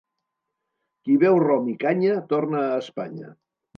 Qui beu rom i canya, torna a Espanya.